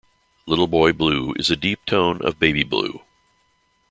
Little boy blue is a deep tone of baby blue.